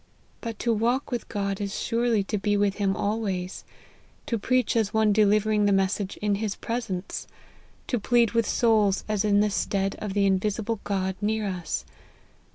But to walk with God is surely to be with him always ; to preach as one delivering the message in his presence ; to plead with souls as in the stead of the invisible God near us.